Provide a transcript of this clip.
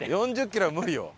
４０キロは無理よ。